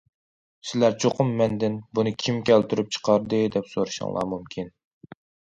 سىلەر چوقۇم مەندىن: بۇنى كىم كەلتۈرۈپ چىقاردى؟ دەپ سورىشىڭلار مۇمكىن.